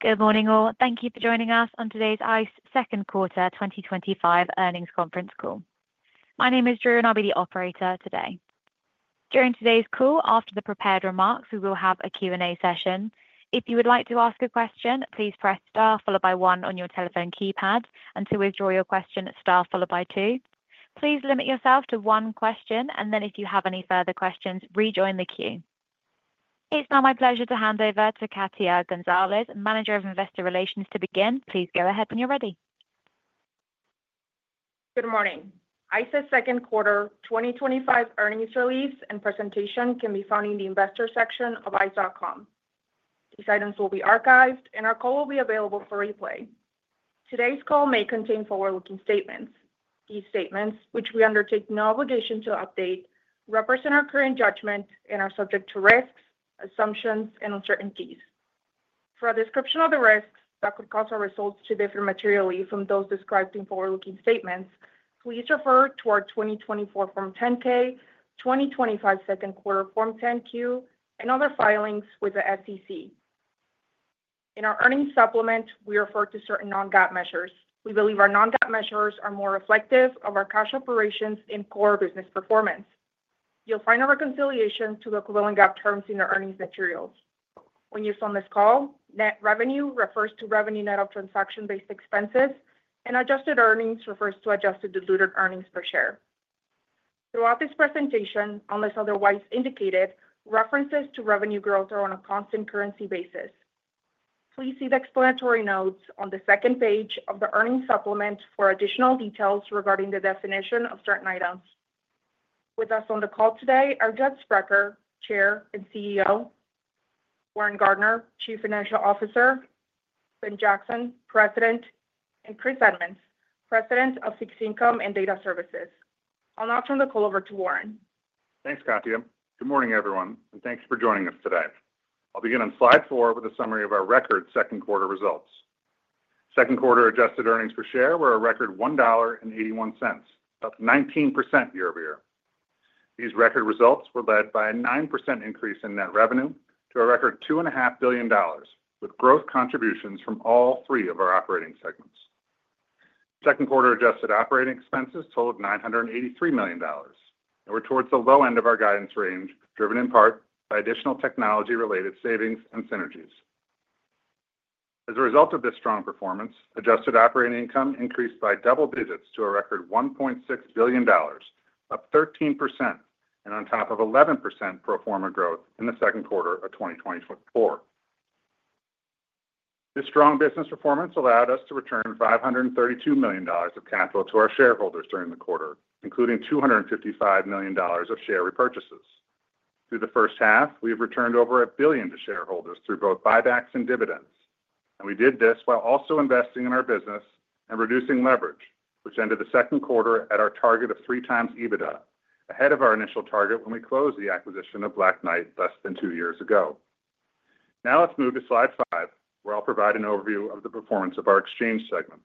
Good morning, all. Thank you for joining us on today's ICE second quarter 2025 earnings conference call. My name is Jo, and I'll be the operator today. During today's call, after the prepared remarks, we will have a Q&A session. If you would like to ask a question, please press star followed by one on your telephone keypad, and to withdraw your question, star followed by two. Please limit yourself to one question, and if you have any further questions, rejoin the queue. It's now my pleasure to hand over to Katia Gonzalez, Manager of Investor Relations, to begin. Please go ahead when you're ready. Good morning. ICE's second quarter 2025 earnings release and presentation can be found in the investor section of ice.com. These items will be archived, and our call will be available for replay. Today's call may contain forward-looking statements. These statements, which we undertake no obligation to update, represent our current judgment and are subject to risks, assumptions, and uncertainties. For a description of the risks that could cause our results to differ materially from those described in forward-looking statements, please refer to our 2024 Form 10-K, 2025 second quarter Form 10-Q, and other filings with the SEC. In our earnings supplement, we refer to certain non-GAAP measures. We believe our non-GAAP measures are more reflective of our cash operations and core business performance. You'll find a reconciliation to the equivalent GAAP terms in our earnings materials. When used on this call, net revenue refers to revenue net of transaction-based expenses, and adjusted earnings refers to adjusted diluted earnings per share. Throughout this presentation, unless otherwise indicated, references to revenue growth are on a constant currency basis. Please see the explanatory notes on the second page of the earnings supplement for additional details regarding the definition of certain items. With us on the call today are Jeffrey Sprecher, Chair and CEO, Warren Gardiner, Chief Financial Officer, Ben Jackson, President, and Chris Edmonds, President of Fixed Income and Data Services. I'll now turn the call over to Warren. Thanks, Katia. Good morning, everyone, and thanks for joining us today. I'll begin on slide four with a summary of our record second quarter results. Second quarter adjusted earnings per share were a record $1.81, up 19% year-over-year. These record results were led by a 9% increase in net revenue to a record $2.5 billion, with growth contributions from all three of our operating segments. Second quarter adjusted operating expenses totaled $983 million, and were towards the low end of our guidance range, driven in part by additional technology-related savings and synergies. As a result of this strong performance, adjusted operating income increased by double digits to a record $1.6 billion, up 13%, on top of 11% pro forma growth in the second quarter of 2024. This strong business performance allowed us to return $532 million of capital to our shareholders during the quarter, including $255 million of share repurchases. Through the first half, we have returned over $1 billion to shareholders through both buybacks and dividends, and we did this while also investing in our business and reducing leverage, which ended the second quarter at our target of 3x EBITDA, ahead of our initial target when we closed the acquisition of Black Knight less than two years ago. Now let's move to slide five, where I'll provide an overview of the performance of our exchange segment.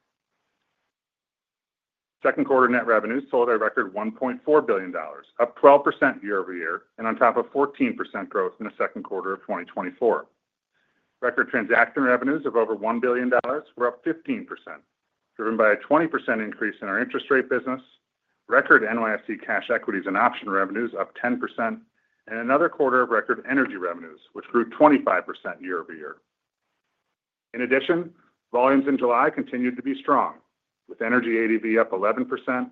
Second quarter net revenues totaled a record $1.4 billion, up 12% year-over-year, on top of 14% growth in the second quarter of 2024. Record transaction revenues of over $1 billion were up 15%, driven by a 20% increase in our interest rate business, record NYSE cash equities and option revenues up 10%, and another quarter of record energy revenues, which grew 25% year-over-year. In addition, volumes in July continued to be strong, with energy ADV up 11%,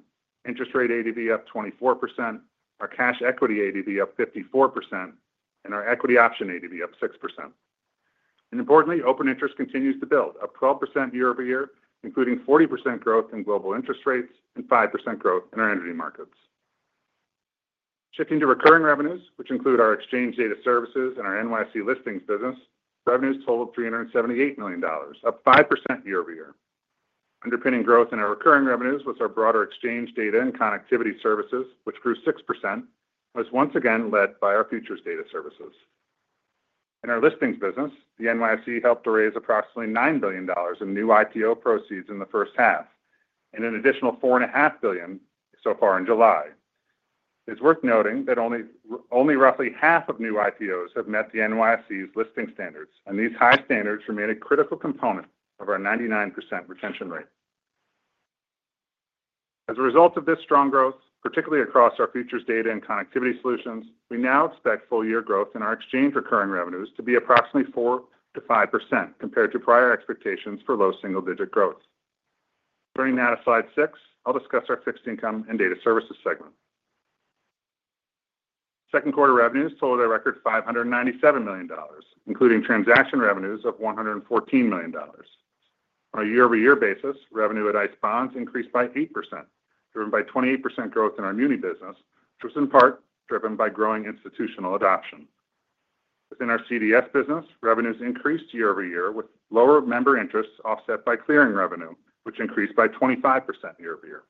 interest rate ADV up 24%, our cash equity ADV up 54%, and our equity option ADV up 6%. Importantly, open interest continues to build, up 12% year-over-year, including 40% growth in global interest rates and 5% growth in our energy markets. Shifting to recurring revenues, which include our exchange data services and our NYSE listings business, revenues totaled $378 million, up 5% year-over-year. Underpinning growth in our recurring revenues was our broader exchange data and connectivity services, which grew 6%, and was once again led by our futures data services. In our listings business, the NYSE helped to raise approximately $9 billion in new IPO proceeds in the first half, and an additional $4.5 billion so far in July. It's worth noting that only roughly half of new IPOs have met the NYSE's listing standards, and these high standards remain a critical component of our 99% retention rate. As a result of this strong growth, particularly across our futures data and connectivity solutions, we now expect full-year growth in our exchange recurring revenues to be approximately 4%-5% compared to prior expectations for low single-digit growth. Turning now to slide six, I'll discuss our fixed income and data services segment. Second quarter revenues totaled a record $597 million, including transaction revenues of $114 million. On a year-over-year basis, revenue at ICE Bonds increased by 8%, driven by 28% growth in our muni business, which was in part driven by growing institutional adoption. Within our CDS business, revenues increased year-over-year with lower member interests offset by clearing revenue, which increased by 25% year-over-year.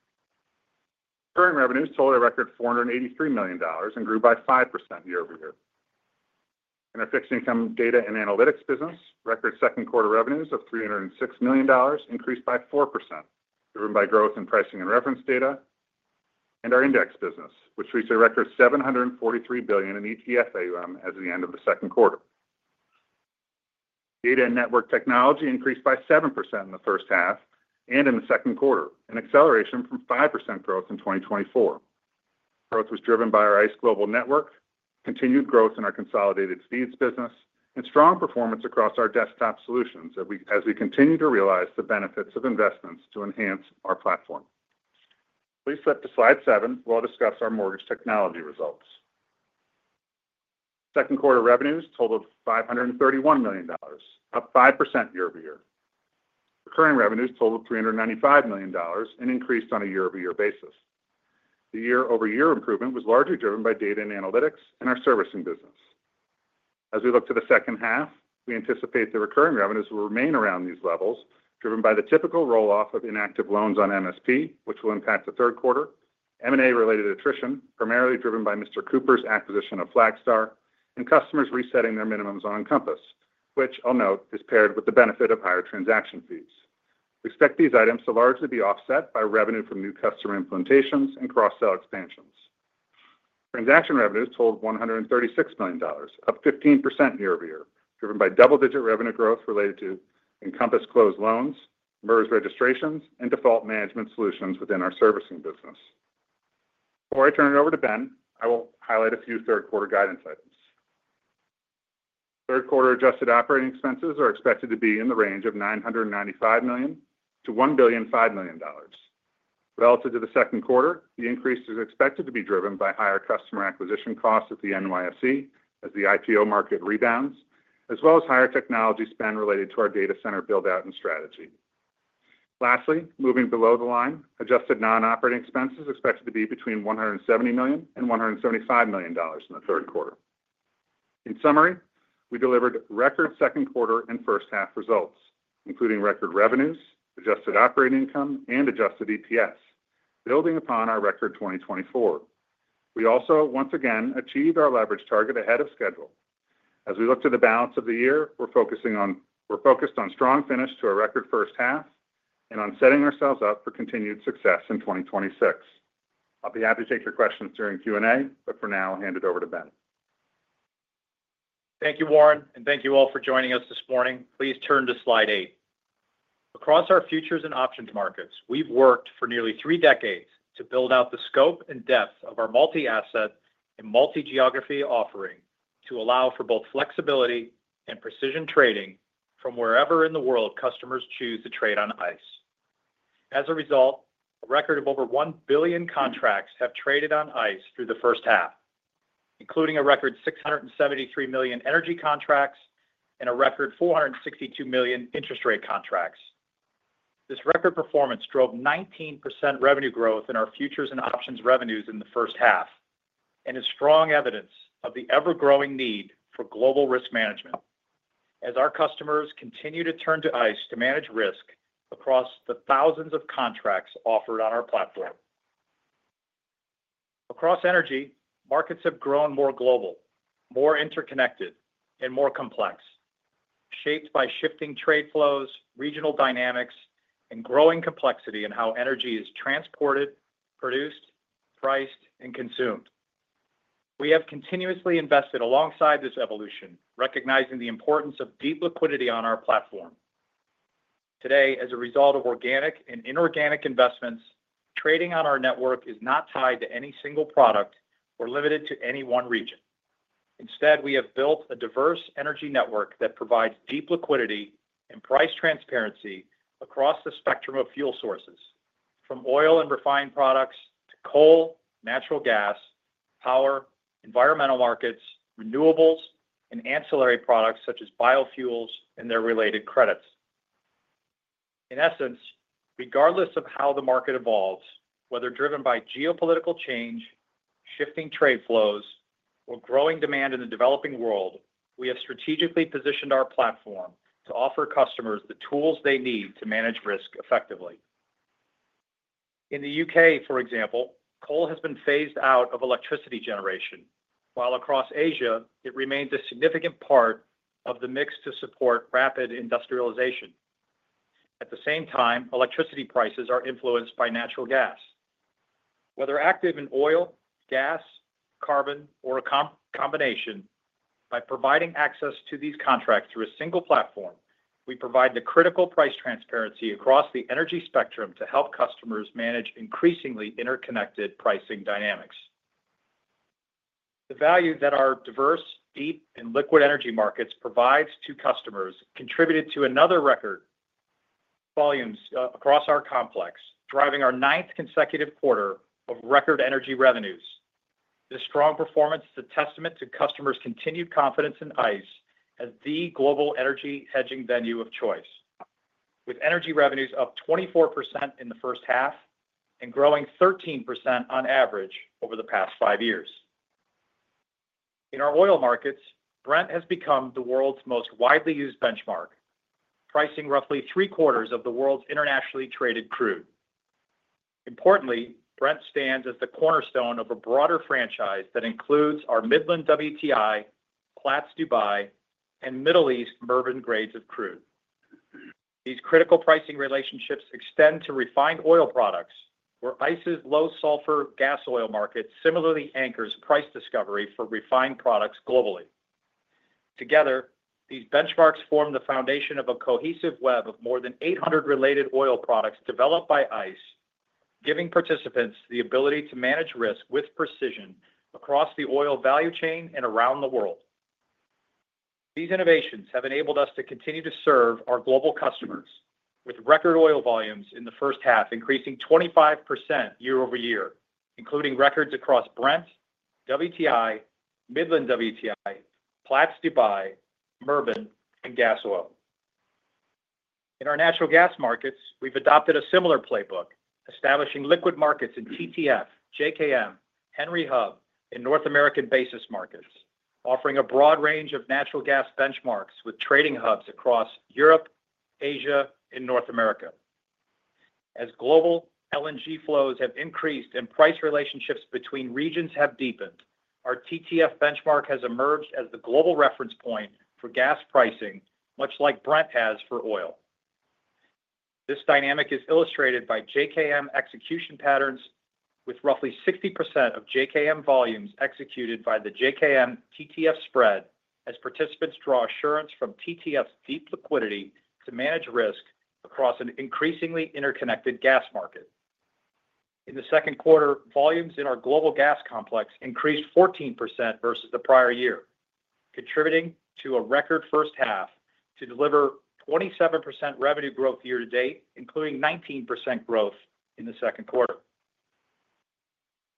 Current revenues totaled a record $483 million and grew by 5% year-over-year. In our fixed income data and analytics business, record second quarter revenues of $306 million increased by 4%, driven by growth in pricing and reference data, and our index business, which reached a record $743 billion in ETF AUM as the end of the second quarter. Data and network technology increased by 7% in the first half and in the second quarter, an acceleration from 5% growth in 2024. Growth was driven by our ICE Global Network, continued growth in our consolidated feeds business, and strong performance across our desktop solutions as we continue to realize the benefits of investments to enhance our platform. Please flip to slide seven while I discuss our mortgage technology results. Second quarter revenues totaled $531 million, up 5% year-over-year. Recurring revenues totaled $395 million and increased on a year-over-year basis. The year-over-year improvement was largely driven by data and analytics in our servicing business. As we look to the second half, we anticipate the recurring revenues will remain around these levels, driven by the typical rolloff of inactive loans on MSP, which will impact the third quarter, M&A-related attrition, primarily driven by Mr. Cooper's acquisition of Flagstar, and customers resetting their minimums on Encompass, which, I'll note, is paired with the benefit of higher transaction fees. We expect these items to largely be offset by revenue from new customer implementations and cross-sell expansions. Transaction revenues totaled $136 million, up 15% year-over-year, driven by double-digit revenue growth related to Encompass closed loans, MERS registrations, and default management solutions within our servicing business. Before I turn it over to Ben, I will highlight a few third quarter guidance items. Third quarter adjusted operating expenses are expected to be in the range of $995 million-$1.5 billion. Relative to the second quarter, the increase is expected to be driven by higher customer acquisition costs at the NYSE as the IPO market rebounds, as well as higher technology spend related to our data center buildout and strategy. Lastly, moving below the line, adjusted non-operating expenses are expected to be between $170 million and $175 million in the third quarter. In summary, we delivered record second quarter and first half results, including record revenues, adjusted operating income, and adjusted EPS, building upon our record 2024. We also, once again, achieved our leverage target ahead of schedule. As we look to the balance of the year, we're focused on a strong finish to our record first half and on setting ourselves up for continued success in 2026. I'll be happy to take your questions during Q&A, but for now, I'll hand it over to Ben. Thank you, Warren, and thank you all for joining us this morning. Please turn to slide eight. Across our futures and options markets, we've worked for nearly three decades to build out the scope and depth of our multi-asset and multi-geography offering to allow for both flexibility and precision trading from wherever in the world customers choose to trade on ICE. As a result, a record of over 1 billion contracts have traded on ICE through the first half, including a record 673 million energy contracts and a record 462 million interest rate contracts. This record performance drove 19% revenue growth in our futures and options revenues in the first half and is strong evidence of the ever-growing need for global risk management as our customers continue to turn to ICE to manage risk across the thousands of contracts offered on our platform. Across energy, markets have grown more global, more interconnected, and more complex, shaped by shifting trade flows, regional dynamics, and growing complexity in how energy is transported, produced, priced, and consumed. We have continuously invested alongside this evolution, recognizing the importance of deep liquidity on our platform. Today, as a result of organic and inorganic investments, trading on our network is not tied to any single product or limited to any one region. Instead, we have built a diverse energy network that provides deep liquidity and price transparency across the spectrum of fuel sources, from oil and refined products to coal, natural gas, power, environmental markets, renewables, and ancillary products such as biofuels and their related credits. In essence, regardless of how the market evolves, whether driven by geopolitical change, shifting trade flows, or growing demand in the developing world, we have strategically positioned our platform to offer customers the tools they need to manage risk effectively. In the U.K., for example, coal has been phased out of electricity generation, while across Asia, it remains a significant part of the mix to support rapid industrialization. At the same time, electricity prices are influenced by natural gas. Whether active in oil, gas, carbon, or a combination, by providing access to these contracts through a single platform, we provide the critical price transparency across the energy spectrum to help customers manage increasingly interconnected pricing dynamics. The value that our diverse, deep, and liquid energy markets provide to customers contributed to another record. Volumes across our complex, driving our ninth consecutive quarter of record energy revenues. This strong performance is a testament to customers' continued confidence in ICE as the global energy hedging venue of choice, with energy revenues up 24% in the first half and growing 13% on average over the past five years. In our oil markets, Brent has become the world's most widely used benchmark, pricing roughly three-quarters of the world's internationally traded crude. Importantly, Brent stands as the cornerstone of a broader franchise that includes our Midland WTI, Platts Dubai, and Middle East Murban grades of crude. These critical pricing relationships extend to refined oil products, where ICE's low-sulfur gas oil market similarly anchors price discovery for refined products globally. Together, these benchmarks form the foundation of a cohesive web of more than 800 related oil products developed by ICE, giving participants the ability to manage risk with precision across the oil value chain and around the world. These innovations have enabled us to continue to serve our global customers, with record oil volumes in the first half increasing 25% year-over-year, including records across Brent, WTI, Midland WTI, Platts Dubai, Murban, and gas oil. In our natural gas markets, we've adopted a similar playbook, establishing liquid markets in TTF, JKM, Henry Hub, and North American basis markets, offering a broad range of natural gas benchmarks with trading hubs across Europe, Asia, and North America. As global LNG flows have increased and price relationships between regions have deepened, our TTF benchmark has emerged as the global reference point for gas pricing, much like Brent has for oil. This dynamic is illustrated by JKM execution patterns, with roughly 60% of JKM volumes executed by the JKM TTF spread as participants draw assurance from TTF's deep liquidity to manage risk across an increasingly interconnected gas market. In the second quarter, volumes in our global gas complex increased 14% versus the prior year, contributing to a record first half to deliver 27% revenue growth year to date, including 19% growth in the second quarter.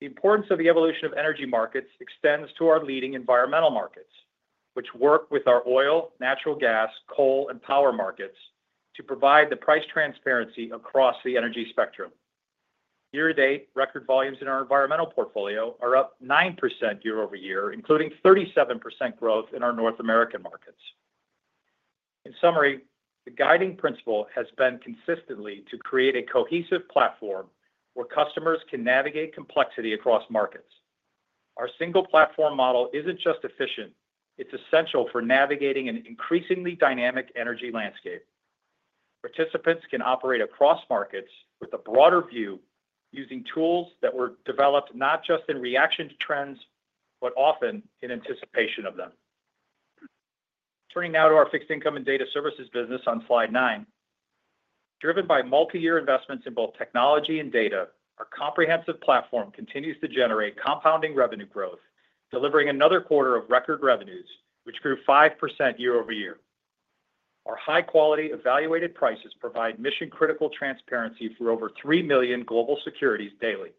The importance of the evolution of energy markets extends to our leading environmental markets, which work with our oil, natural gas, coal, and power markets to provide the price transparency across the energy spectrum. Year-to-date, record volumes in our environmental portfolio are up 9% year-over-year, including 37% growth in our North American markets. In summary, the guiding principle has been consistently to create a cohesive platform where customers can navigate complexity across markets. Our single-platform model isn't just efficient; it's essential for navigating an increasingly dynamic energy landscape. Participants can operate across markets with a broader view, using tools that were developed not just in reaction to trends, but often in anticipation of them. Turning now to our fixed income and data services business on slide nine. Driven by multi-year investments in both technology and data, our comprehensive platform continues to generate compounding revenue growth, delivering another quarter of record revenues, which grew 5% year-over-year. Our high-quality evaluated prices provide mission-critical transparency for over 3 million global securities daily.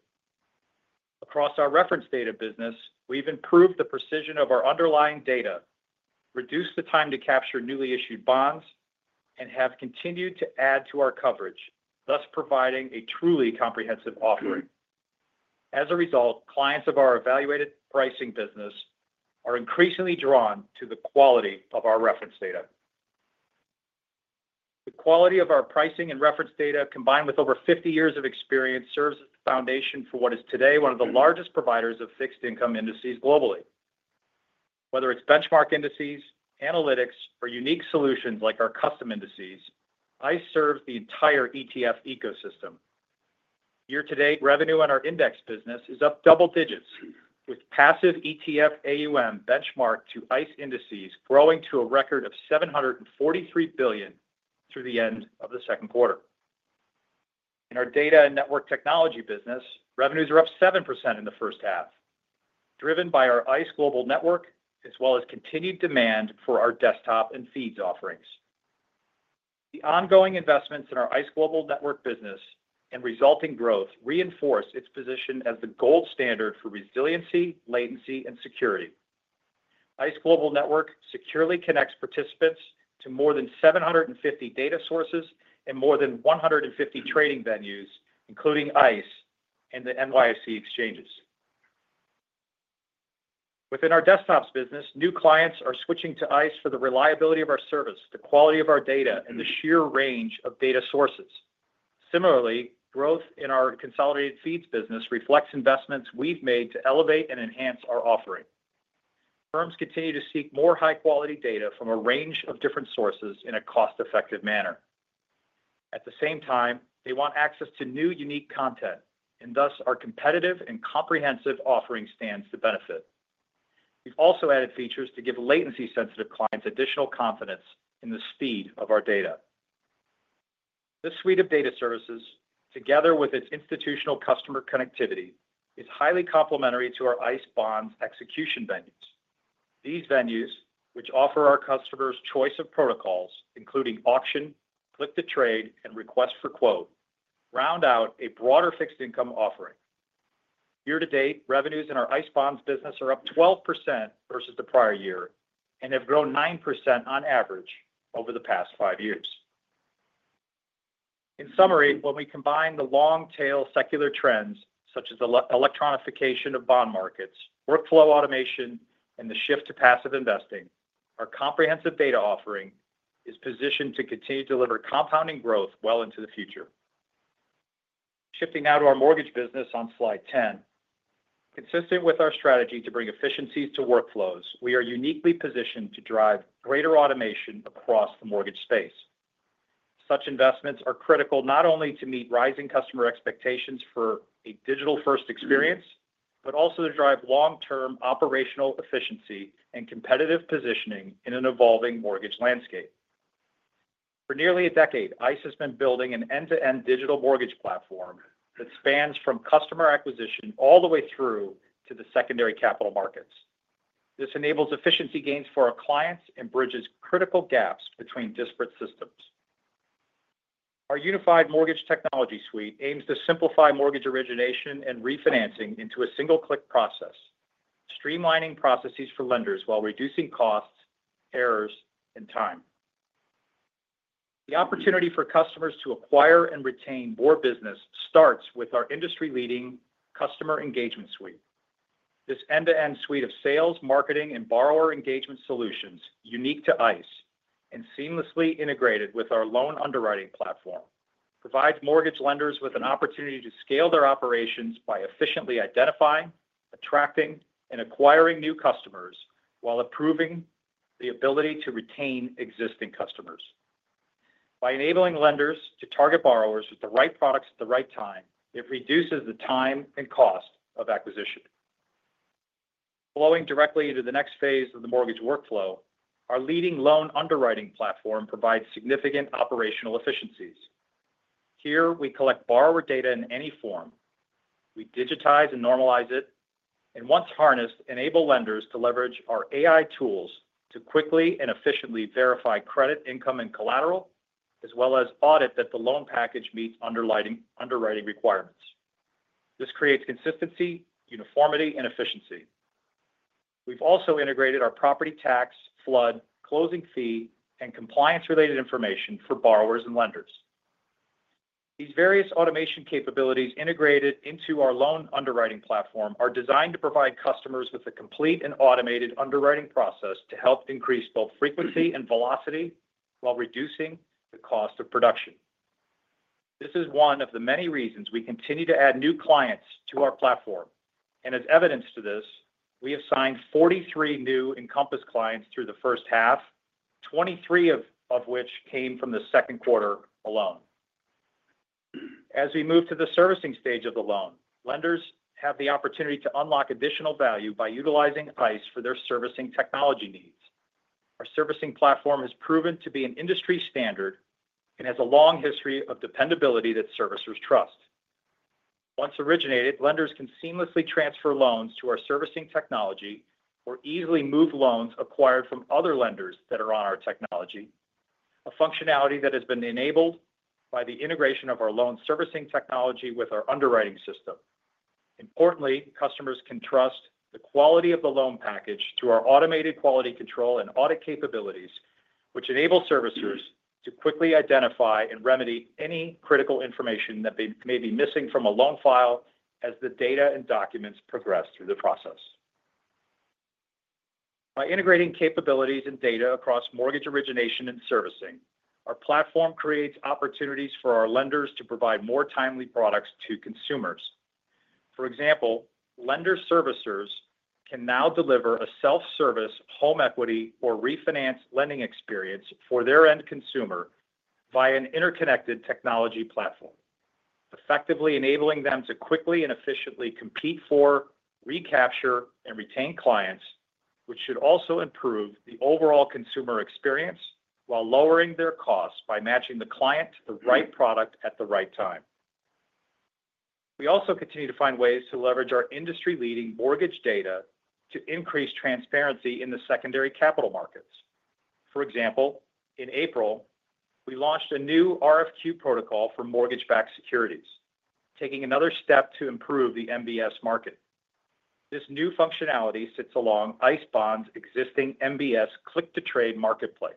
Across our reference data business, we've improved the precision of our underlying data, reduced the time to capture newly issued bonds, and have continued to add to our coverage, thus providing a truly comprehensive offering. As a result, clients of our evaluated pricing business are increasingly drawn to the quality of our reference data. The quality of our pricing and reference data, combined with over 50 years of experience, serves as the foundation for what is today one of the largest providers of fixed income indices globally. Whether it's benchmark indices, analytics, or unique solutions like our custom indices, ICE serves the entire ETF ecosystem. Year-to-date, revenue on our index business is up double digits, with passive ETF AUM benchmarked to ICE indices growing to a record of $743 billion through the end of the second quarter. In our data and network technology business, revenues are up 7% in the first half, driven by our ICE Global Network as well as continued demand for our desktop and feeds offerings. The ongoing investments in our ICE Global business and resulting growth reinforce its position as the gold standard for resiliency, latency, and security. ICE Global Network securely connects participants to more than 750 data sources and more than 150 trading venues, including ICE and the NYSE exchanges. Within our Desktops Business, new clients are switching to ICE for the reliability of our service, the quality of our data, and the sheer range of their sources. Similarly, growth in our Consolidated Feeds business reflects investments we've made to elevate and enhance our offering. Firms continue to seek more high-quality data from a range of different sources in a cost-effective manner. At the same time, they want access to new, unique content, and thus our competitive and comprehensive offering stands to benefit. We've also added features to give latency-sensitive clients additional confidence in the speed of our data. This suite of data services, together with its institutional customer connectivity, is highly complementary to our ICE Bonds execution venues. These venues, which offer our customers choice of protocols, including auction, click-to-trade, and request for quote, round out a broader fixed income offering. Year-to-date, revenues in our ICE Bonds business are up 12% versus the prior year and have grown 9% on average over the past five years. In summary, when we combine the long-tail secular trends, such as the electronification of bond markets, workflow automation, and the shift to passive investing, our comprehensive data offering is positioned to continue to deliver compounding growth well into the future. Shifting now to our mortgage business on slide 10. Consistent with our strategy to bring efficiencies to workflows, we are uniquely positioned to drive greater automation across the mortgage space. Such investments are critical not only to meet rising customer expectations for a digital-first experience, but also to drive long-term operational efficiency and competitive positioning in an evolving mortgage landscape. For nearly a decade, ICE has been building an end-to-end digital mortgage platform that spans from customer acquisition all the way through to the secondary capital markets. This enables efficiency gains for our clients and bridges critical gaps between disparate systems. Our unified mortgage technology suite aims to simplify mortgage origination and refinancing into a single-click process, streamlining processes for lenders while reducing costs, errors, and time. The opportunity for customers to acquire and retain more business starts with our industry-leading customer engagement suite. This end-to-end suite of sales, marketing, and borrower engagement solutions, unique to ICE and seamlessly integrated with our loan underwriting platform, provides mortgage lenders with an opportunity to scale their operations by efficiently identifying, attracting, and acquiring new customers while improving the ability to retain existing customers. By enabling lenders to target borrowers with the right products at the right time, it reduces the time and cost of acquisition. Flowing directly into the next phase of the mortgage workflow, our leading loan underwriting platform provides significant operational efficiencies. Here, we collect borrower data in any form. We digitize and normalize it, and once harnessed, enable lenders to leverage our AI tools to quickly and efficiently verify credit, income, and collateral, as well as audit that the loan package meets underwriting requirements. This creates consistency, uniformity, and efficiency. We've also integrated our property tax, flood, closing fee, and compliance-related information for borrowers and lenders. These various automation capabilities integrated into our loan underwriting platform are designed to provide customers with a complete and automated underwriting process to help increase both frequency and velocity while reducing the cost of production. This is one of the many reasons we continue to add new clients to our platform. As evidence to this, we have signed 43 new Encompass clients through the first half, 23 of which came from the second quarter alone. As we move to the servicing stage of the loan, lenders have the opportunity to unlock additional value by utilizing ICE for their servicing technology needs. Our servicing platform has proven to be an industry standard and has a long history of dependability that servicers trust. Once originated, lenders can seamlessly transfer loans to our servicing technology or easily move loans acquired from other lenders that are on our technology, a functionality that has been enabled by the integration of our loan servicing technology with our underwriting system. Importantly, customers can trust the quality of the loan package through our automated quality control and audit capabilities, which enable servicers to quickly identify and remedy any critical information that they may be missing from a loan file as the data and documents progress through the process. By integrating capabilities and data across mortgage origination and servicing, our platform creates opportunities for our lenders to provide more timely products to consumers. For example, lender servicers can now deliver a self-service home equity or refinance lending experience for their end consumer via an interconnected technology platform, effectively enabling them to quickly and efficiently compete for, recapture, and retain clients, which should also improve the overall consumer experience while lowering their costs by matching the client to the right product at the right time. We also continue to find ways to leverage our industry-leading mortgage data to increase transparency in the secondary capital markets. For example, in April, we launched a new RFQ protocol for mortgage-backed securities, taking another step to improve the MBS market. This new functionality sits along ICE Bonds' existing MBS click-to-trade marketplace.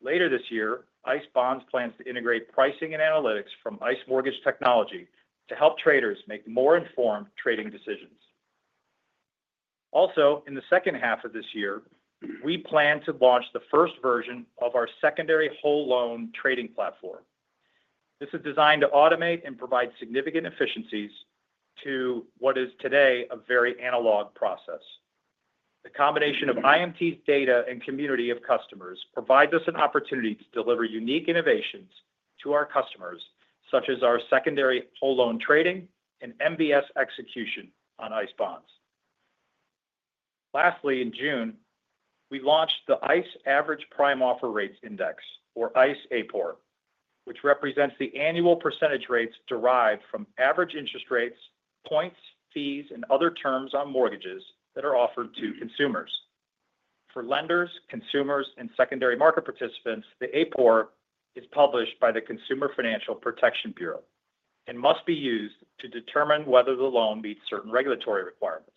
Later this year, ICE Bonds plans to integrate pricing and analytics from ICE Mortgage Technology to help traders make more informed trading decisions. Also, in the second half of this year, we plan to launch the first version of our secondary whole loan trading platform. This is designed to automate and provide significant efficiencies to what is today a very analog process. The combination of IMT's data and community of customers provides us an opportunity to deliver unique innovations to our customers, such as our secondary whole loan trading and MBS execution on ICE Bonds. Lastly, in June, we launched the ICE Average Prime Offer Rates Index, or ICE APOR, which represents the annual percentage rates derived from average interest rates, points, fees, and other terms on mortgages that are offered to consumers. For lenders, consumers, and secondary market participants, the APOR is published by the Consumer Financial Protection Bureau and must be used to determine whether the loan meets certain regulatory requirements,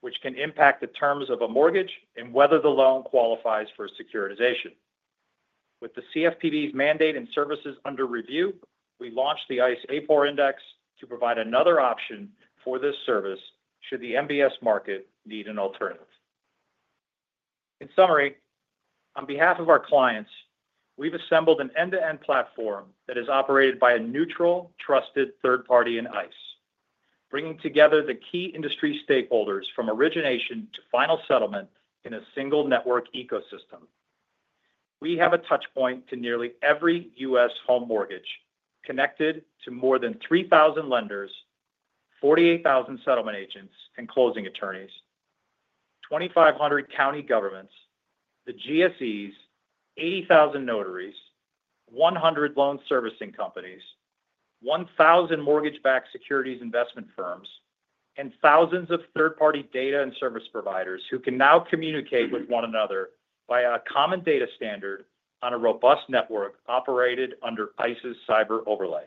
which can impact the terms of a mortgage and whether the loan qualifies for securitization. With the CFPB's mandate and services under review, we launched the ICE Average Prime Offer Rates Index to provide another option for this service should the MBS market need an alternative. In summary, on behalf of our clients, we've assembled an end-to-end platform that is operated by a neutral, trusted third party in ICE, bringing together the key industry stakeholders from origination to final settlement in a single network ecosystem. We have a touchpoint to nearly every U.S. home mortgage connected to more than 3,000 lenders, 48,000 settlement agents and closing attorneys, 2,500 county governments, the GSEs, 80,000 notaries, 100 loan servicing companies, 1,000 mortgage-backed securities investment firms, and thousands of third-party data and service providers who can now communicate with one another via a common data standard on a robust network operated under ICE's cyber overlay.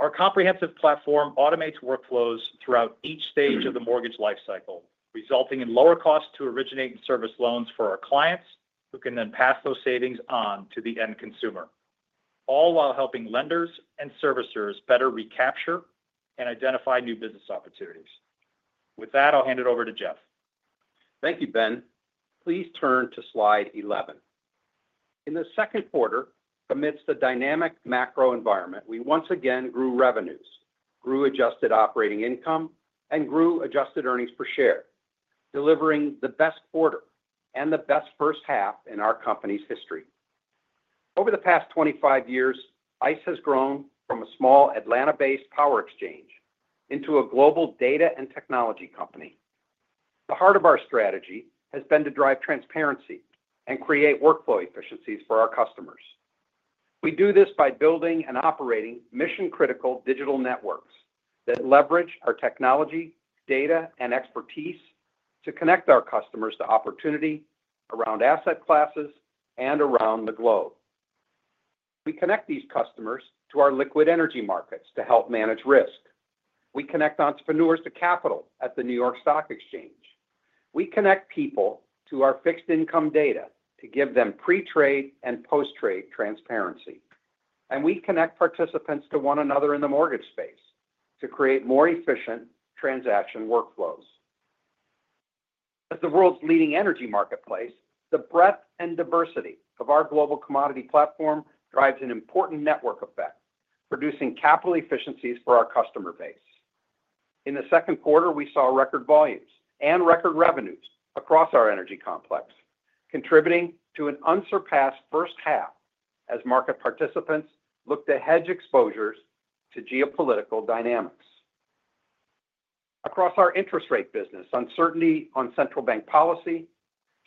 Our comprehensive platform automates workflows throughout each stage of the mortgage lifecycle, resulting in lower costs to originate and service loans for our clients, who can then pass those savings on to the end consumer, all while helping lenders and servicers better recapture and identify new business opportunities. With that, I'll hand it over to Jeff. Thank you, Ben. Please turn to slide 11. In the second quarter, amidst the dynamic macro environment, we once again grew revenues, grew adjusted operating income, and grew adjusted earnings per share, delivering the best quarter and the best first half in our company's history. Over the past 25 years, ICE has grown from a small Atlanta-based power exchange into a global data and technology company. The heart of our strategy has been to drive transparency and create workflow efficiencies for our customers. We do this by building and operating mission-critical digital networks that leverage our technology, data, and expertise to connect our customers to opportunity around asset classes and around the globe. We connect these customers to our liquid energy markets to help manage risk. We connect entrepreneurs to capital at the New York Stock Exchange. We connect people to our fixed income data to give them pre-trade and post-trade transparency. We connect participants to one another in the mortgage space to create more efficient transaction workflows. As the world's leading energy marketplace, the breadth and diversity of our global commodity platform drives an important network effect, producing capital efficiencies for our customer base. In the second quarter, we saw record volumes and record revenues across our energy complex, contributing to an unsurpassed first half as market participants looked to hedge exposures to geopolitical dynamics. Across our interest rate business, uncertainty on central bank policy,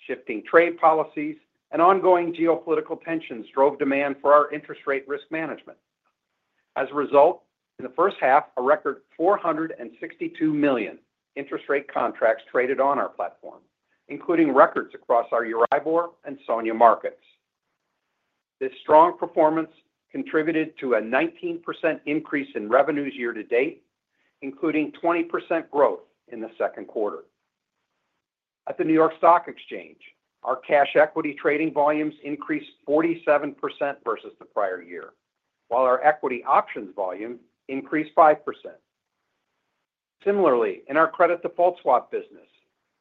shifting trade policies, and ongoing geopolitical tensions drove demand for our interest rate risk management. As a result, in the first half, a record 462 million interest rate contracts traded on our platform, including records across our Euribor and SONIA markets. This strong performance contributed to a 19% increase in revenues year-to-date, including 20% growth in the second quarter. At the New York Stock Exchange, our cash equity trading volumes increased 47% versus the prior year, while our equity options volume increased 5%. Similarly, in our credit default swap business,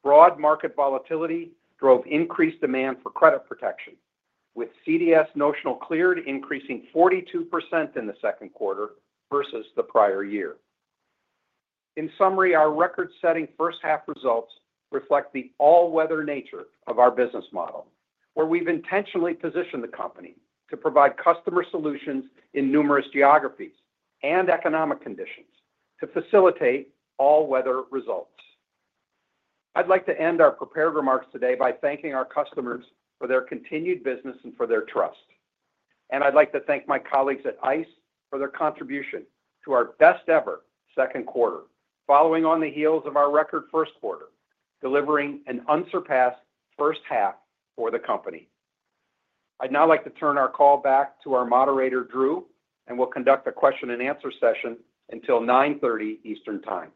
broad market volatility drove increased demand for credit protection, with CDS notional cleared increasing 42% in the second quarter versus the prior year. In summary, our record-setting first half results reflect the all-weather nature of our business model, where we've intentionally positioned the company to provide customer solutions in numerous geographies and economic conditions to facilitate all-weather results. I'd like to end our prepared remarks today by thanking our customers for their continued business and for their trust. I'd like to thank my colleagues at ICE for their contribution to our best-ever second quarter, following on the heels of our record first quarter, delivering an unsurpassed first half for the company. I'd now like to turn our call back to our moderator, Drew, and we'll conduct a question-and-answer session until 9:30 A.M. Eastern Time.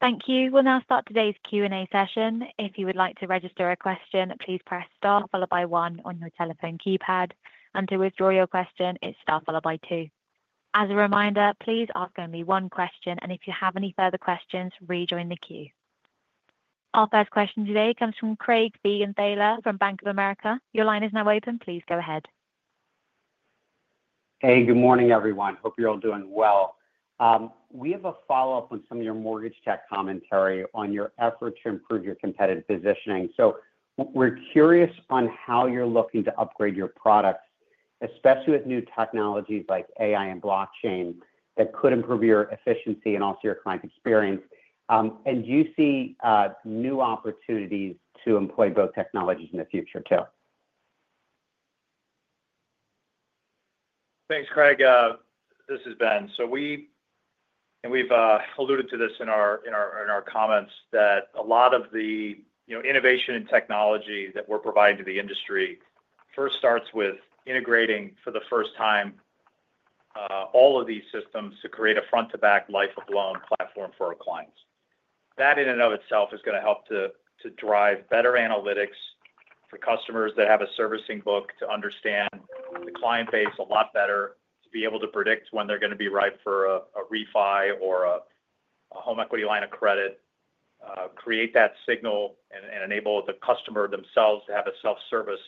Thank you. We'll now start today's Q&A session. If you would like to register a question, please press Star followed by one on your telephone keypad. To withdraw your question, it's Star followed by two. As a reminder, please ask only one question. If you have any further questions, rejoin the queue. Our first question today comes from Craig Siegenthaler from Bank of America. Your line is now open. Please go ahead. Hey, good morning, everyone. Hope you're all doing well. We have a follow-up on some of your mortgage technology commentary on your effort to improve your competitive positioning. We're curious on how you're looking to upgrade your products, especially with new technologies like AI and blockchain that could improve your efficiency and also your client experience. Do you see new opportunities to employ both technologies in the future too? Thanks, Craig. This is Ben. We've alluded to this in our comments that a lot of the innovation and technology that we're providing to the industry first starts with integrating for the first time all of these systems to create a front-to-back life-of-loan platform for our clients. That in and of itself is going to help to drive better analytics for customers that have a servicing book to understand the client base a lot better, to be able to predict when they're going to be ripe for a refi or a home equity line of credit, create that signal, and enable the customer themselves to have a self-service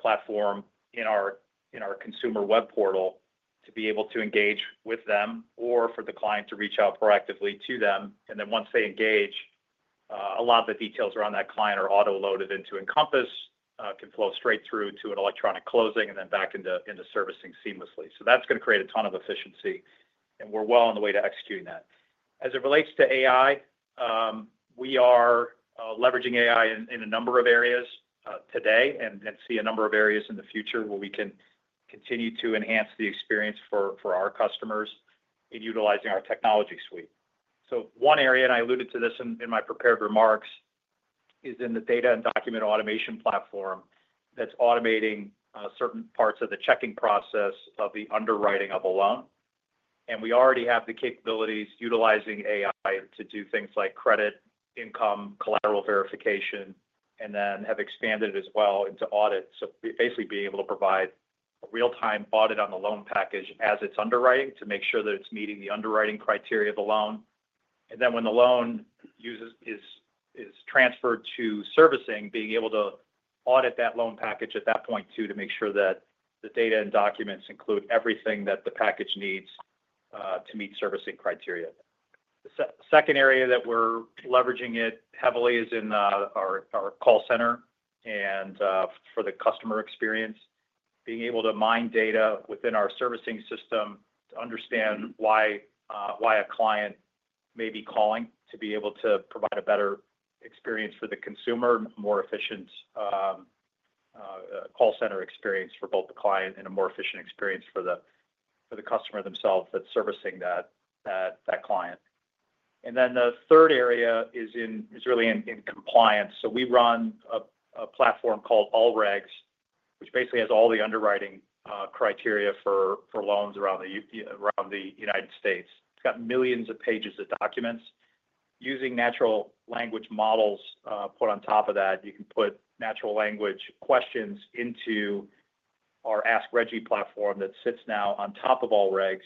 platform in our consumer web portal to be able to engage with them or for the client to reach out proactively to them. Once they engage, a lot of the details around that client are auto-loaded into Encompass, can flow straight through to an electronic closing, and then back into servicing seamlessly. That's going to create a ton of efficiency, and we're well on the way to executing that. As it relates to AI, we are leveraging AI in a number of areas today and see a number of areas in the future where we can continue to enhance the experience for our customers in utilizing our technology suite. One area, and I alluded to this in my prepared remarks, is in the data and document automation platform that's automating certain parts of the checking process of the underwriting of a loan. We already have the capabilities utilizing AI to do things like credit income, collateral verification, and then have expanded it as well into audit. Basically, being able to provide a real-time audit on the loan package as it's underwriting to make sure that it's meeting the underwriting criteria of the loan. When the loan is transferred to servicing, being able to audit that loan package at that point too to make sure that the data and documents include everything that the package needs to meet servicing criteria. The second area that we're leveraging it heavily is in our call center and for the customer experience, being able to mine data within our servicing system to understand why. A client may be calling to be able to provide a better experience for the consumer, more efficient call center experience for both the client and a more efficient experience for the customer themselves that's servicing that client. The third area is really in compliance. We run a platform called AllRegs, which basically has all the underwriting criteria for loans around the United States. It's got millions of pages of documents. Using natural language models put on top of that, you can put natural language questions into our AskReggie platform that sits now on top of AllRegs,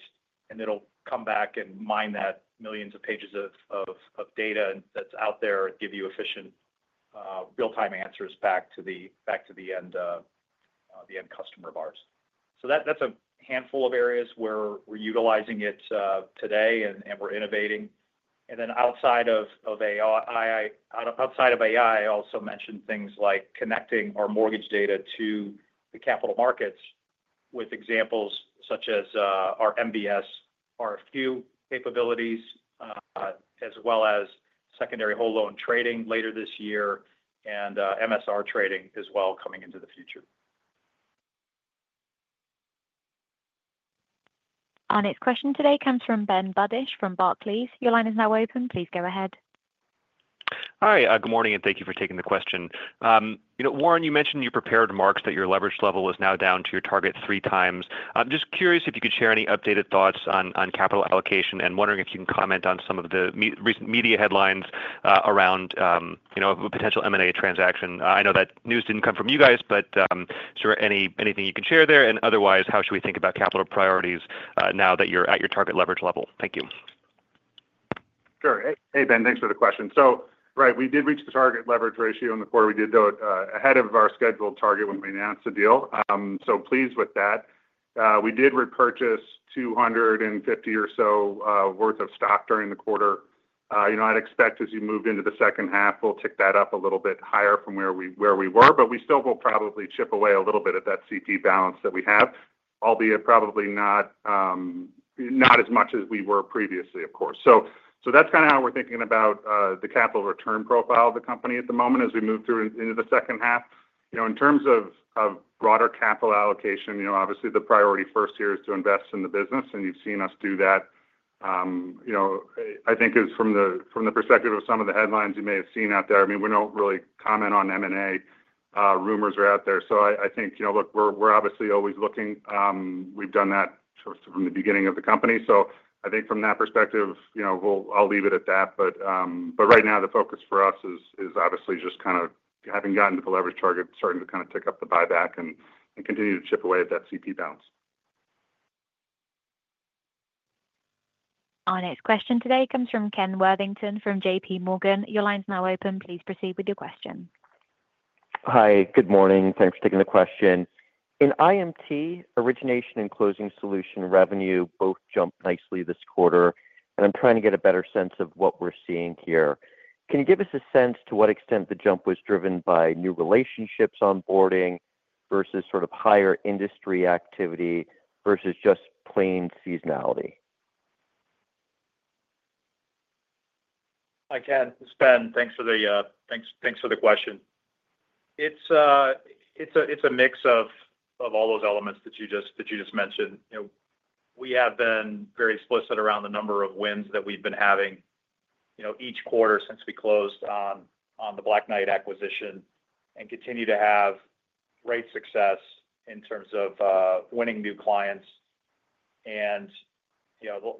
and it'll come back and mine that millions of pages of data that's out there and give you efficient, real-time answers back to the end customer of ours. That's a handful of areas where we're utilizing it today and we're innovating. Outside of AI, I also mentioned things like connecting our mortgage data to the capital markets with examples such as our MBS RFQ capabilities, as well as secondary whole loan trading later this year and MSR trading as well coming into the future. Our next question today comes from Ben Budish from Barclays. Your line is now open. Please go ahead. Hi. Good morning and thank you for taking the question. Warren, you mentioned in your prepared remarks that your leverage level is now down to your target 3x. I'm just curious if you could share any updated thoughts on capital allocation and wondering if you can comment on some of the recent media headlines around a potential M&A transaction. I know that news didn't come from you guys, but is there anything you can share there? Otherwise, how should we think about capital priorities now that you're at your target leverage level? Thank you. Sure. Hey, Ben. Thanks for the question. Right, we did reach the target leverage ratio in the quarter. We did do it ahead of our scheduled target when we announced the deal, so pleased with that. We did repurchase $250 million or so worth of stock during the quarter. I'd expect as you move into the second half, we'll tick that up a little bit higher from where we were, but we still will probably chip away a little bit at that CP balance that we have, albeit probably not as much as we were previously, of course. That's kind of how we're thinking about the capital return profile of the company at the moment as we move through into the second half. In terms of broader capital allocation, obviously the priority first here is to invest in the business, and you've seen us do that. I think from the perspective of some of the headlines you may have seen out there, I mean, we don't really comment on M&A rumors that are out there. I think, look, we're obviously always looking. We've done that from the beginning of the company. I think from that perspective, I'll leave it at that. Right now, the focus for us is obviously just kind of having gotten to the leverage target, starting to kind of tick up the buyback and continue to chip away at that CP balance. Our next question today comes from Ken Worthington from J.P Morgan. Your line's now open. Please proceed with your question. Hi. Good morning. Thanks for taking the question. In IMT, origination and closing solution revenue both jumped nicely this quarter, and I'm trying to get a better sense of what we're seeing here. Can you give us a sense to what extent the jump was driven by new relationships onboarding versus sort of higher industry activity versus just plain seasonality? Hi, Ken. It's Ben. Thanks for the question. It's a mix of all those elements that you just mentioned. We have been very explicit around the number of wins that we've been having each quarter since we closed on the Black Knight acquisition and continue to have great success in terms of winning new clients.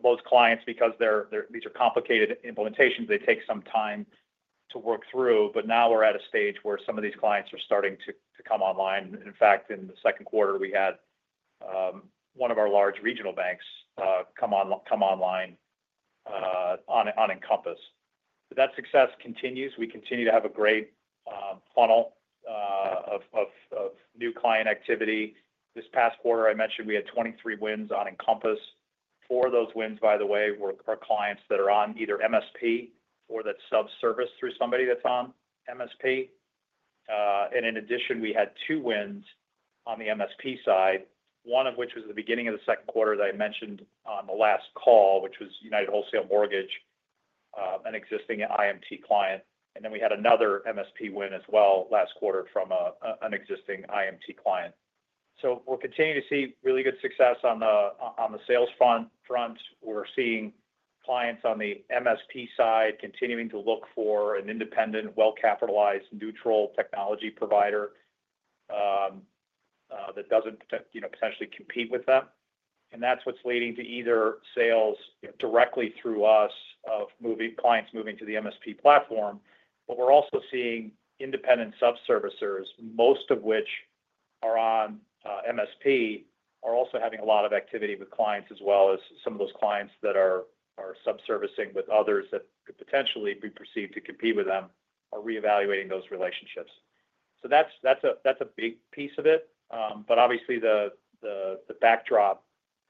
Those clients, because these are complicated implementations, they take some time to work through. Now we're at a stage where some of these clients are starting to come online. In fact, in the second quarter, we had one of our large regional banks come online on Encompass. That success continues. We continue to have a great funnel of new client activity. This past quarter, I mentioned we had 23 wins on Encompass. Four of those wins, by the way, were for clients that are on either MSP or that's self-serviced through somebody that's on MSP. In addition, we had two wins on the MSP side, one of which was the beginning of the second quarter that I mentioned on the last call, which was United Wholesale Mortgage, an existing IMT client. We had another MSP win as well last quarter from an existing IMT client. We're continuing to see really good success on the sales front. We're seeing clients on the MSP side continuing to look for an independent, well-capitalized, neutral technology provider that doesn't potentially compete with them. That's what's leading to either sales directly through us of clients moving to the MSP platform. We're also seeing independent self-servicers, most of which are on MSP, are also having a lot of activity with clients as well as some of those clients that are self-servicing with others that could potentially be perceived to compete with them are reevaluating those relationships. That's a big piece of it. Obviously, the backdrop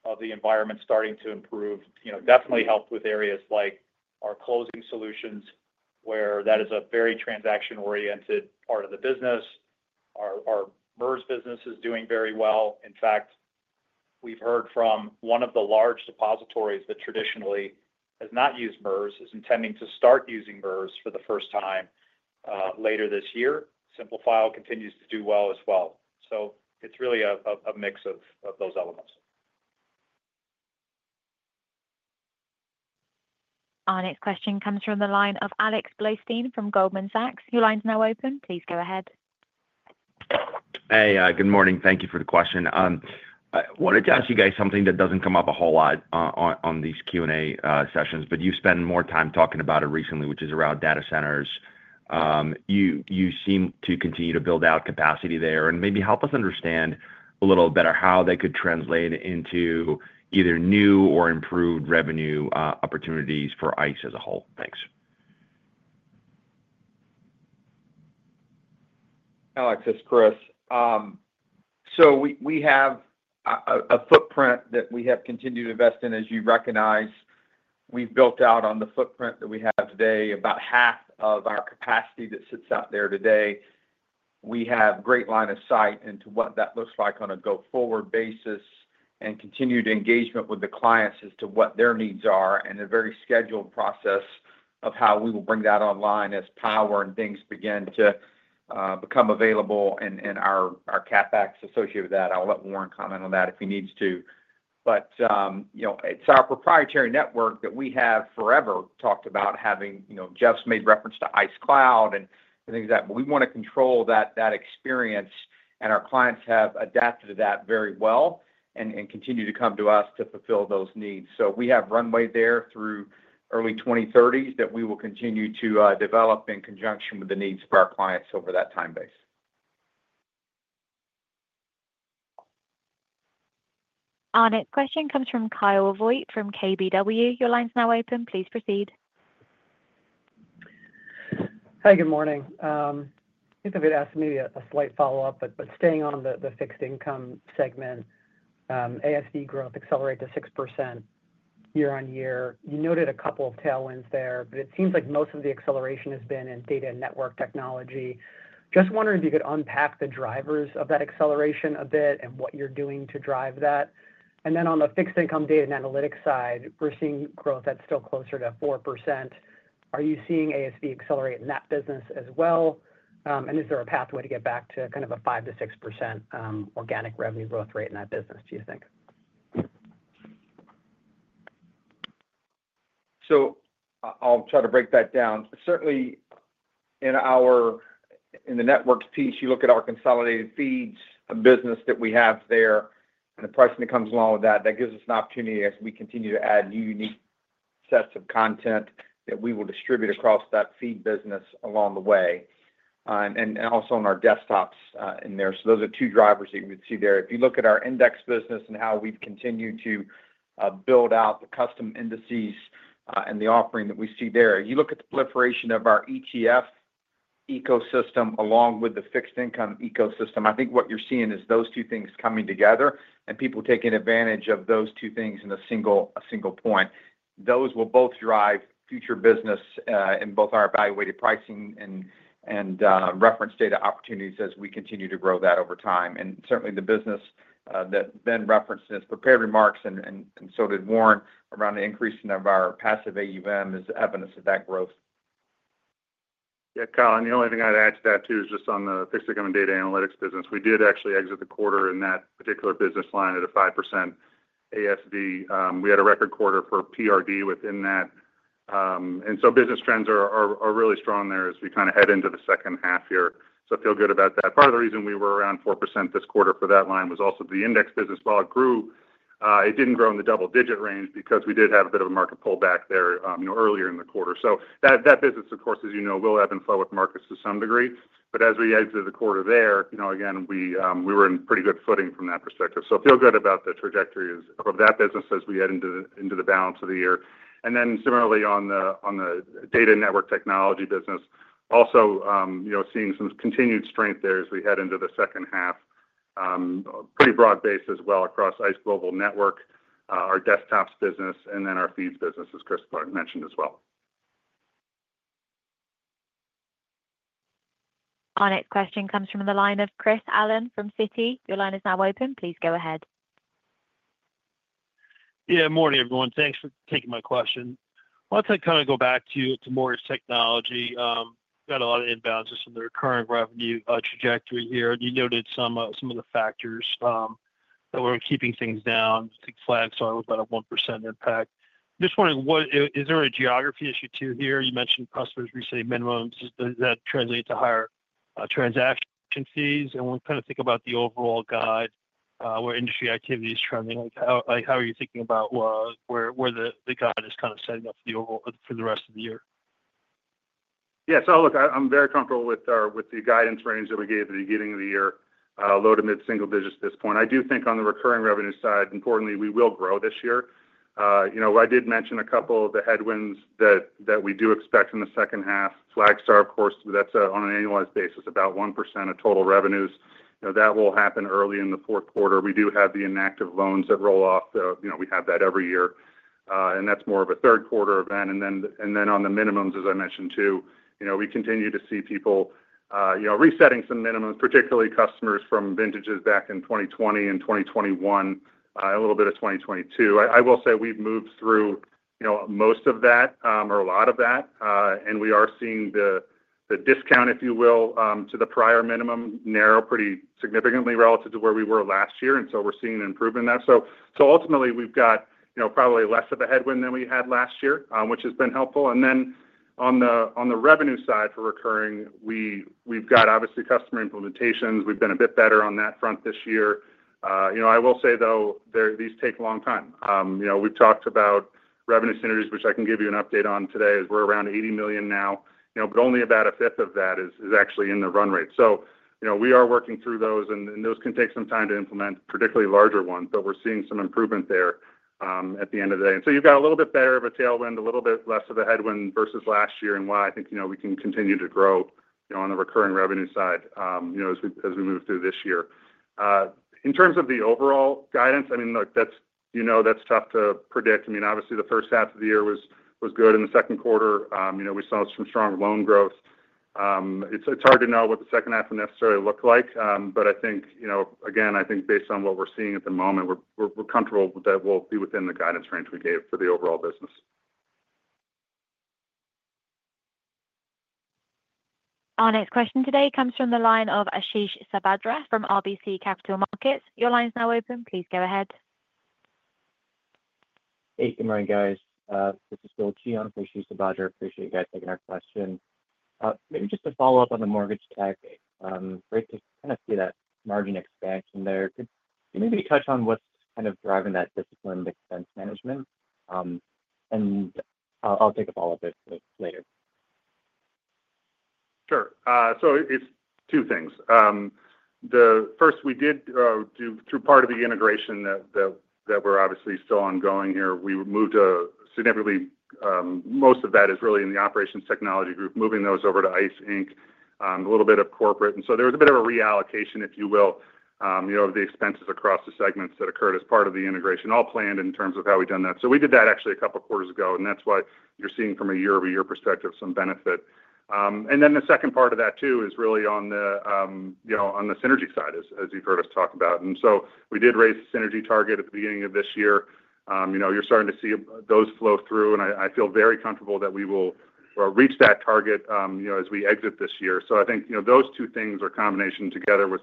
of the environment starting to improve definitely helped with areas like our closing solutions, where that is a very transaction-oriented part of the business. Our MERS business is doing very well. In fact, we've heard from one of the large depositories that traditionally has not used MERS, is intending to start using MERS for the first time later this year. Simple File continues to do well as well. It's really a mix of those elements. Our next question comes from the line of Alex Blostein from Goldman Sachs. Your line's now open. Please go ahead. Hey, good morning. Thank you for the question. I wanted to ask you guys something that doesn't come up a whole lot on these Q&A sessions, but you spend more time talking about it recently, which is around data centers. You seem to continue to build out capacity there and maybe help us understand a little better how they could translate into either new or improved revenue opportunities for ICE as a whole. Thanks. Alex, this is Chris. We have a footprint that we have continued to invest in, as you recognize. We've built out on the footprint that we have today about half of our capacity that sits out there today. We have a great line of sight into what that looks like on a go-forward basis and continued engagement with the clients as to what their needs are and a very scheduled process of how we will bring that online as power and things begin to become available and our CapEx associated with that. I'll let Warren comment on that if he needs to. It's our proprietary network that we have forever talked about having. Jeff's made reference to ICE Cloud and things like that. We want to control that experience, and our clients have adapted to that very well and continue to come to us to fulfill those needs. We have runway there through early 2030s that we will continue to develop in conjunction with the needs of our clients over that time base. Our next question comes from Kyle Voigt from KBW. Your line's now open. Please proceed. Hi, good morning. I think I've asked maybe a slight follow-up, but staying on the fixed income segment. ASD growth accelerated to 6% year-on-year. You noted a couple of tailwinds there, but it seems like most of the acceleration has been in data and network technology. Just wondering if you could unpack the drivers of that acceleration a bit and what you're doing to drive that. On the fixed income data and analytics side, we're seeing growth that's still closer to 4%. Are you seeing ASD accelerate in that business as well? Is there a pathway to get back to kind of a 5%-6% organic revenue growth rate in that business, do you think? I'll try to break that down. Certainly, in the networks piece, you look at our Consolidated Feeds business that we have there and the pricing that comes along with that. That gives us an opportunity as we continue to add new unique sets of content that we will distribute across that feed business along the way, and also on our desktops in there. Those are two drivers that you would see there. If you look at our Index Business and how we've continued to build out the custom indices and the offering that we see there, you look at the proliferation of our ETF ecosystem along with the fixed income ecosystem. I think what you're seeing is those two things coming together and people taking advantage of those two things in a single point. Those will both drive future business in both our evaluated pricing and reference data opportunities as we continue to grow that over time. The business that Ben referenced in his prepared remarks and so did Warren Gardiner around the increase in our passive AUM is evidence of that growth. Yeah, Kyle, the only thing I'd add to that too is just on the fixed income and data analytics business. We did actually exit the quarter in that particular business line at a 5% ASD. We had a record quarter for PRD within that, and business trends are really strong there as we kind of head into the second half here. I feel good about that. Part of the reason we were around 4% this quarter for that line was also the Index Business. While it grew, it didn't grow in the double-digit range because we did have a bit of a market pullback there earlier in the quarter. That business, of course, as you know, will have inflow with markets to some degree. As we exited the quarter there, again, we were in pretty good footing from that perspective. I feel good about the trajectory of that business as we head into the balance of the year. Similarly, on the data network technology business, also seeing some continued strength there as we head into the second half. Pretty broad base as well across ICE Global Network, our Desktops Business, and then our feeds business, as Chris mentioned as well. Our next question comes from the line of Chris Allen from Citi. Your line is now open. Please go ahead. Yeah, morning, everyone. Thanks for taking my question. I want to kind of go back to Mortgage Technology. We've got a lot of imbalances in the current revenue trajectory here. You noted some of the factors that were keeping things down. I think Flagstar was about a 1% impact. Just wondering, is there a geography issue too here? You mentioned customers reaching minimums. Does that translate to higher transaction fees? When we kind of think about the overall guide, where industry activity is trending, how are you thinking about where the guide is kind of setting up for the rest of the year? Yeah, I am very comfortable with the guidance range that we gave at the beginning of the year, low to mid-single digits at this point. I do think on the recurring revenue side, importantly, we will grow this year. I did mention a couple of the headwinds that we do expect in the second half. Flagstar, of course, that's on an annualized basis, about 1% of total revenues. That will happen early in the fourth quarter. We do have the inactive loans that roll off. We have that every year, and that's more of a third-quarter event. On the minimums, as I mentioned too, we continue to see people resetting some minimums, particularly customers from vintages back in 2020 and 2021, a little bit of 2022. I will say we've moved through most of that or a lot of that, and we are seeing the discount, if you will, to the prior minimum narrow pretty significantly relative to where we were last year. We are seeing an improvement in that. Ultimately, we've got probably less of a headwind than we had last year, which has been helpful. On the revenue side for recurring, we've got obviously customer implementations. We've been a bit better on that front this year. I will say, though, these take a long time. We've talked about revenue synergies, which I can give you an update on today as we're around $80 million now, but only about a fifth of that is actually in the run rate. We are working through those, and those can take some time to implement, particularly larger ones, but we're seeing some improvement there at the end of the day. You've got a little bit better of a tailwind, a little bit less of a headwind versus last year, and why I think we can continue to grow on the recurring revenue side as we move through this year. In terms of the overall guidance, that's tough to predict. Obviously, the first half of the year was good. In the second quarter, we saw some strong loan growth. It's hard to know what the second half would necessarily look like, but I think, again, based on what we're seeing at the moment, we're comfortable that we'll be within the guidance range we gave for the overall business. Our next question today comes from the line of Ashish Sabadra from RBC Capital Markets. Your line's now open. Please go ahead. Hey, good morning, guys. This is Bill Keon from Ashish Sabadra. Appreciate you guys taking our question. Maybe just to follow up on the mortgage technology, great to kind of see that margin expansion there. Can you maybe touch on what's kind of driving that disciplined expense management? I'll take a follow-up later. Sure. It's two things. The first, we did through part of the integration that we're obviously still ongoing here, we moved significantly. Most of that is really in the operations technology group, moving those over to ICE Inc, a little bit of corporate. There was a bit of a reallocation, if you will, of the expenses across the segments that occurred as part of the integration, all planned in terms of how we'd done that. We did that actually a couple of quarters ago, and that's why you're seeing from a year-over-year perspective some benefit. The second part of that too is really on the synergy side, as you've heard us talk about. We did raise the synergy target at the beginning of this year. You're starting to see those flow through, and I feel very comfortable that we will reach that target as we exit this year. I think those two things are a combination together with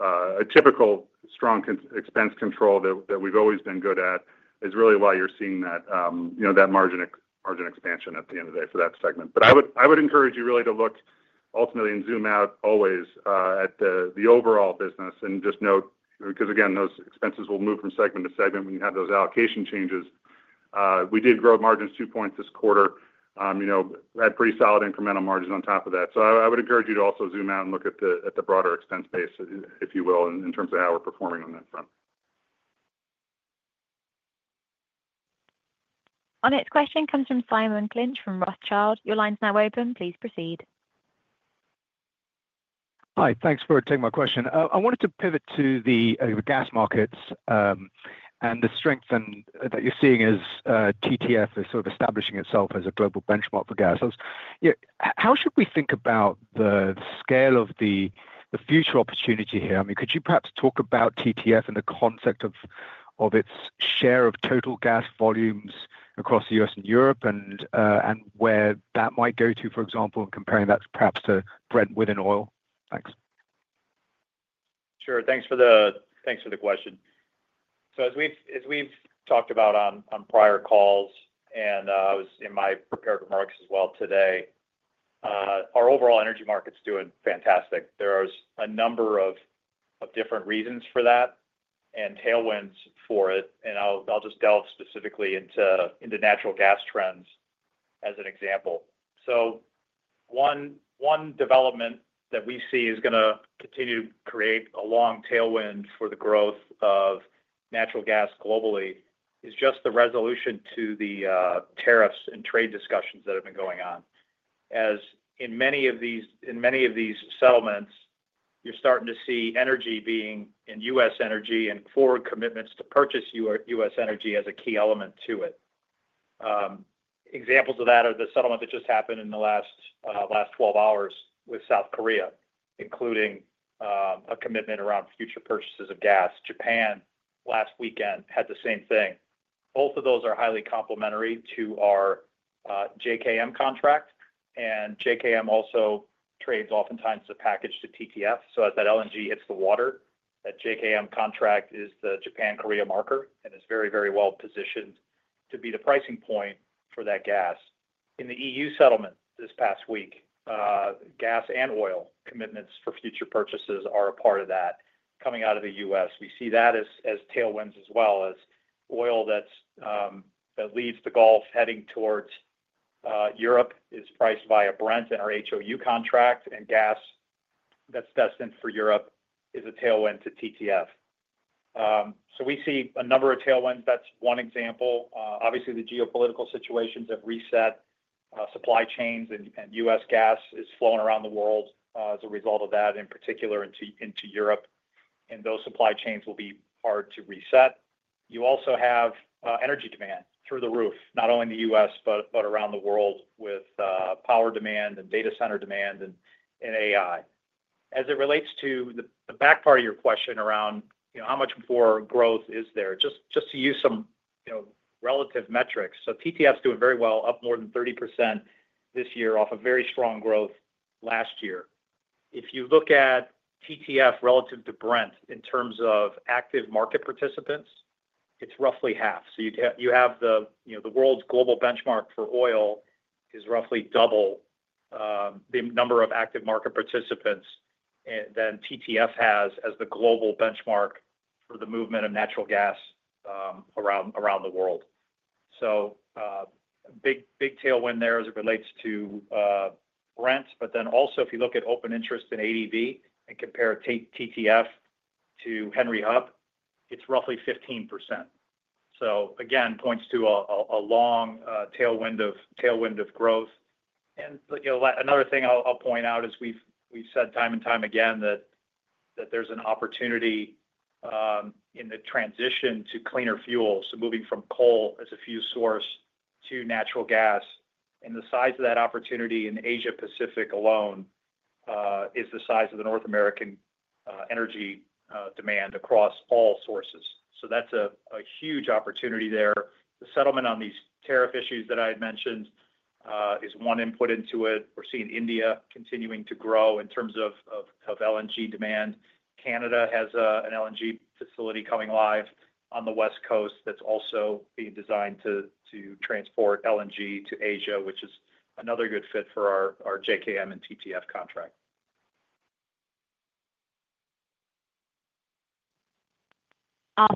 a typical strong expense control that we've always been good at, which is really why you're seeing that margin expansion at the end of the day for that segment. I would encourage you really to look ultimately and zoom out always at the overall business and just note, because again, those expenses will move from segment to segment when you have those allocation changes. We did grow margins two points this quarter. We had pretty solid incremental margins on top of that. I would encourage you to also zoom out and look at the broader expense base, if you will, in terms of how we're performing on that front. Our next question comes from Simon Clinch from Rothschild. Your line's now open. Please proceed. Hi, thanks for taking my question. I wanted to pivot to the gas markets and the strength that you're seeing as TTF is sort of establishing itself as a global benchmark for gas. How should we think about the scale of the future opportunity here? I mean, could you perhaps talk about TTF and the concept of its share of total gas volumes across the U.S. and Europe and where that might go to, for example, and comparing that perhaps to Brent within oil? Thanks. Sure. Thanks for the question. As we've talked about on prior calls and as I was in my prepared remarks as well today, our overall energy market's doing fantastic. There are a number of different reasons for that and tailwinds for it. I'll just delve specifically into natural gas trends as an example. One development that we see is going to continue to create a long tailwind for the growth of natural gas globally is just the resolution to the tariffs and trade discussions that have been going on. As in many of these settlements, you're starting to see energy, U.S. energy, and forward commitments to purchase U.S. energy as a key element to it. Examples of that are the settlement that just happened in the last 12 hours with South Korea, including a commitment around future purchases of gas. Japan, last weekend, had the same thing. Both of those are highly complementary to our JKM contract, and JKM also trades oftentimes packaged to TTF. As that LNG hits the water, that JKM contract is the Japan Korea Marker and is very, very well positioned to be the pricing point for that gas. In the EU settlement this past week, gas and oil commitments for future purchases are a part of that coming out of the U.S. We see that as tailwinds as well as oil that leaves the Gulf heading towards Europe is priced by Brent and our HOU contract, and gas that's destined for Europe is a tailwind to TTF. We see a number of tailwinds. That's one example. Obviously, the geopolitical situations have reset supply chains, and U.S. gas is flowing around the world as a result of that, in particular into Europe. Those supply chains will be hard to reset. You also have energy demand through the roof, not only in the U.S., but around the world with power demand and data center demand and AI. As it relates to the back part of your question around how much more growth is there, just to use some relative metrics, TTF is doing very well, up more than 30% this year off a very strong growth last year. If you look at TTF relative to Brent in terms of active market participants, it's roughly half. You have the world's global benchmark for oil is roughly double the number of active market participants than TTF has as the global benchmark for the movement of natural gas around the world. Big tailwind there as it relates to Brent, but then also if you look at open interest and ADV and compare TTF to Henry Hub, it's roughly 15%. Again, points to a long tailwind of growth. Another thing I'll point out is we've said time and time again that there's an opportunity in the transition to cleaner fuels, moving from coal as a fuel source to natural gas. The size of that opportunity in Asia-Pacific alone is the size of the North American energy demand across all sources. That's a huge opportunity there. The settlement on these tariff issues that I had mentioned is one input into it. We're seeing India continuing to grow in terms of LNG demand. Canada has an LNG facility coming live on the West Coast that's also being designed to transport LNG to Asia, which is another good fit for our JKM and TTF contract. Our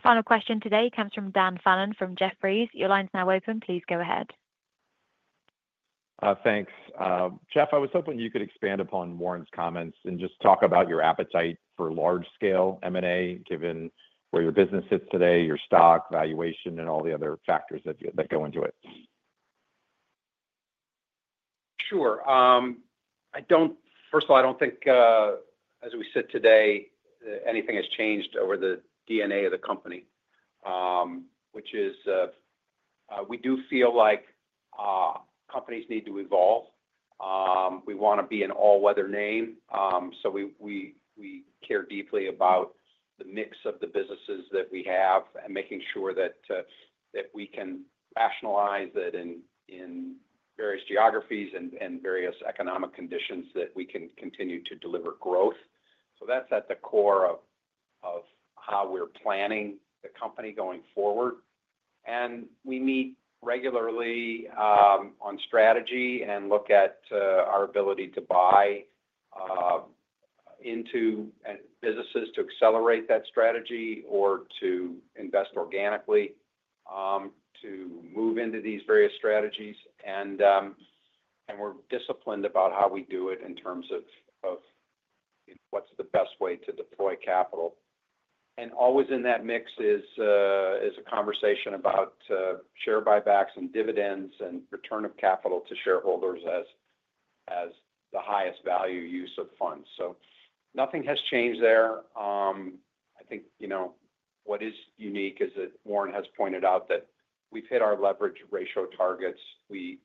final question today comes from Dan Fannon from Jefferies. Your line's now open. Please go ahead. Thanks. Jeff, I was hoping you could expand upon Warren's comments and just talk about your appetite for large-scale M&A given where your business sits today, your stock valuation, and all the other factors that go into it. Sure. First of all, I don't think as we sit today, anything has changed over the DNA of the company, which is we do feel like companies need to evolve. We want to be an all-weather name. We care deeply about the mix of the businesses that we have and making sure that we can rationalize that in various geographies and various economic conditions that we can continue to deliver growth. That's at the core of how we're planning the company going forward. We meet regularly on strategy and look at our ability to buy into businesses to accelerate that strategy or to invest organically to move into these various strategies. We are disciplined about how we do it in terms of what's the best way to deploy capital. Always in that mix is a conversation about share buybacks and dividends and return of capital to shareholders as the highest value use of funds. Nothing has changed there. I think what is unique is that Warren has pointed out that we've hit our leverage ratio targets. We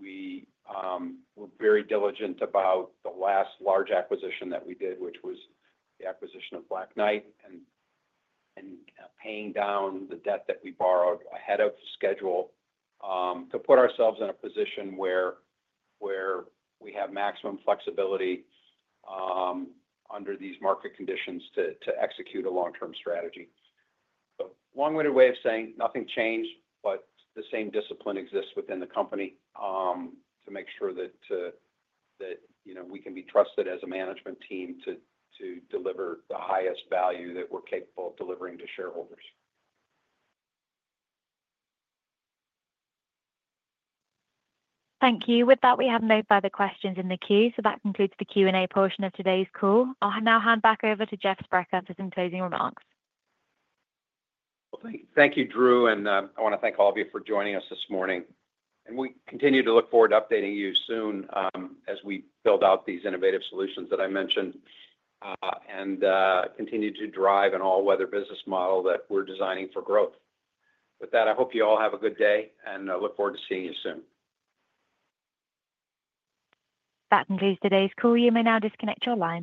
were very diligent about the last large acquisition that we did, which was the acquisition of Black Knight, and paying down the debt that we borrowed ahead of schedule to put ourselves in a position where we have maximum flexibility under these market conditions to execute a long-term strategy. That is a long-winded way of saying nothing changed, but the same discipline exists within the company to make sure that we can be trusted as a management team to deliver the highest value that we're capable of delivering to shareholders. Thank you. With that, we have no further questions in the queue. That concludes the Q&A portion of today's call. I'll now hand back over to Jeff Sprecher for some closing remarks. Thank you, Drew. I want to thank all of you for joining us this morning. We continue to look forward to updating you soon as we build out these innovative solutions that I mentioned and continue to drive an all-weather business model that we're designing for growth. With that, I hope you all have a good day and look forward to seeing you soon. That concludes today's call. You may now disconnect your line.